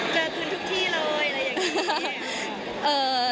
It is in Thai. เจอกันทุกที่เลยอะไรอย่างนี้